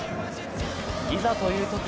いざというとき